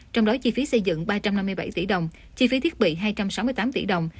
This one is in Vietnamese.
trong đó chi phí xây dựng ba trăm năm mươi bảy tỷ đồng chi phí thiết bị hai trăm sáu mươi tám tỷ đồng